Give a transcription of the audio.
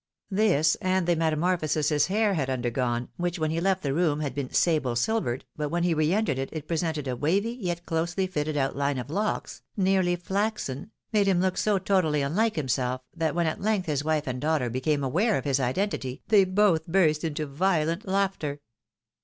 This, and the metamorphosis his hair had undergone, which, when he left the room had been "sable silvered," but when he re entered, it presented a wavy, yet closely fitted outhne of looks, nearly flaxen, made him look so totally unlike himself, that when at length his wife and daughter became aware of his identity, they both burst into violent laughter.